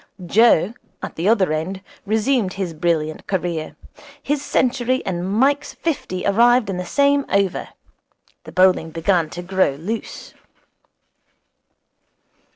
Joe, at the other end, resumed his brilliant career. His century and Mike's fifty arrived in the same over. The bowling began to grow loose.